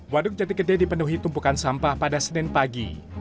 waduk jatik gede dipenuhi tumpukan sampah pada senin pagi